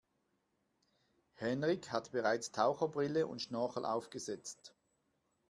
Henrik hat bereits Taucherbrille und Schnorchel aufgesetzt.